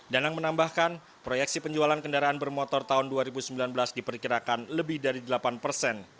dan yang menambahkan proyeksi penjualan kendaraan bermotor tahun dua ribu sembilan belas diperkirakan lebih dari delapan persen